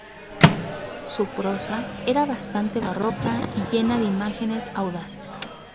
Su prosa era bastante barroca y llena de imágenes audaces.